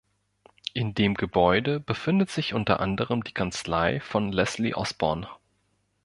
In dem Gebäude befindet sich unter anderem die Kanzlei von Leslie Osborne.